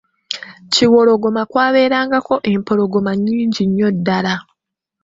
Kiwologoma kwabeerangako empologoma nnyingi nnyo ddala.